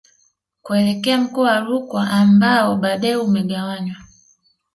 Kuelekea mkoa wa Rukwa ambao baadae umegawanywa